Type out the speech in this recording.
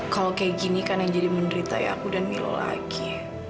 kalau kayak gini kan yang jadi menderita ya aku dan milo lagi